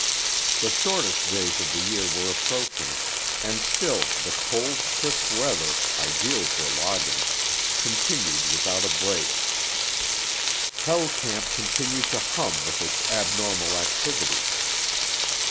The shortest days of the year were approaching, and still the cold, crisp weather, ideal for logging, continued without a break. Hell Camp continued to hum with its abnormal activity.